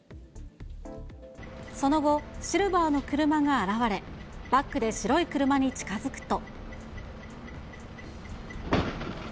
その後、シルバーの車が現れ、バックで白い車に近づくと。